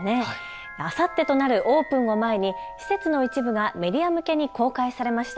あさってとなるオープンを前に施設の一部がメディア向けに公開されました。